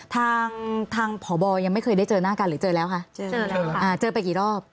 ทางพบยังไม่เคยได้เจอหน้ากันหรือเจอแล้วคะเจอแล้วค่ะเจอไปกี่รอบ